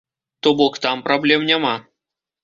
То бок там праблем няма.